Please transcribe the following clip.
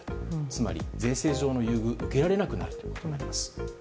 つまり、税制上の優遇が受けられなくなるということです。